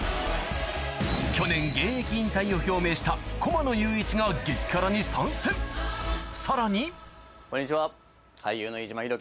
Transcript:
去年現役引退を表明した駒野友一が激辛に参戦さらにこんにちは。